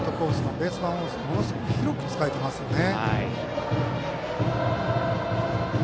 ベース板を、ものすごく広く使えていますよね。